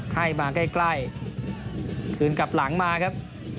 ให้มาใกล้คืนกลับหลังมาครับ